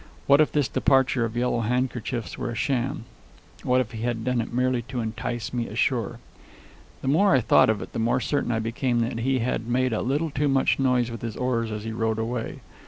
What if this departure of Yellow Handkerchief's were a sham? What if he had done it merely to entice me ashore? The more I thought of it the more certain I became that he had made a little too much noise with his oars as he rowed away.